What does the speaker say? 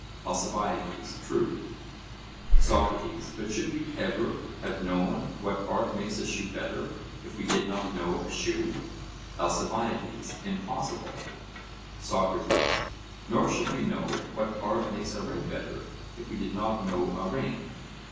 ALCIBIADES: True. SOCRATES: But should we ever have known what art makes a shoe better, if we did not know a shoe? ALCIBIADES: Impossible. SOCRATES: Nor should we know what art makes a ring better, if we did not know a ring?